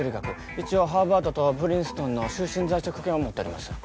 一応ハーバードとプリンストンの終身在職権を持っております。